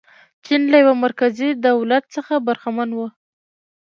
چین له یوه مرکزي دولت څخه برخمن و.